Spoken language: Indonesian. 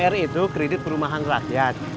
dpr itu kredit perumahan rakyat